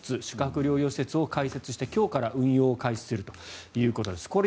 宿泊療養施設を開設して今日から運用を開始するということです。